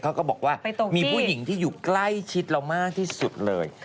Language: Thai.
ก็บอกว่ามีผู้หญิงที่อยู่ใกล้ชิดเรามากที่สุดเลย